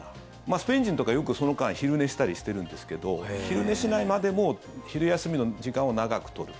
スペイン人とか、よくその間昼寝したりしてるんですけど昼寝しないまでも昼休みの時間を長く取る。